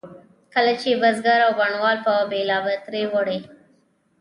کله چې بزګر او بڼوال به بلابترې وړې.